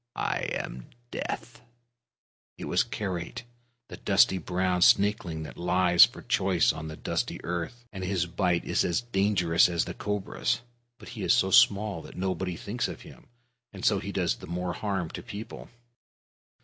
I am Death!" It was Karait, the dusty brown snakeling that lies for choice on the dusty earth; and his bite is as dangerous as the cobra's. But he is so small that nobody thinks of him, and so he does the more harm to people.